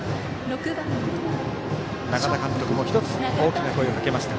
永田監督も１つ大きな声をかけました。